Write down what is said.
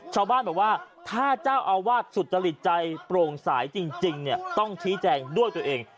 ชาวบ้านบอกว่าถ้าเจ้าอาวาสสุจริตใจโปร่งสายจริงเนี่ยต้องชี้แจงด้วยตัวเอง